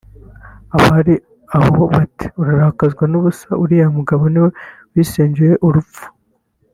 abari aho bati “Urarakazwa n’ubusa uriya mugabo ni we wisengeye urupfu”